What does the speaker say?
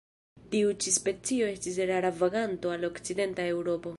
Tiu ĉi specio estis rara vaganto al okcidenta Eŭropo.